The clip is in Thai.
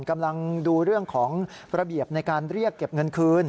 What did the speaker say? กำลังดูเรื่องของระเบียบในการเรียกเก็บเงินคืน